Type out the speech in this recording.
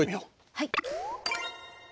はい。